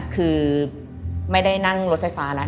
คือไม่ได้นั่งรถไฟฟ้าแล้ว